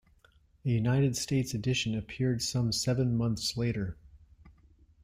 A United States edition appeared some seven months later.